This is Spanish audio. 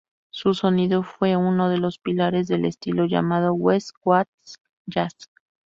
Su sonido fue uno de los pilares del estilo llamado West Coast jazz.